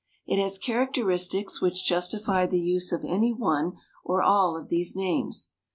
It has characteristics which justify the use of any one or all of these names.